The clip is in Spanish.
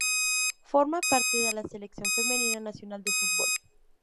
Forma parte de la selección femenina nacional de fútbol.